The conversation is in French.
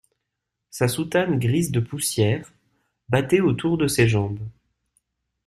Sa soutane grise de poussière, battait autour de ses jambes.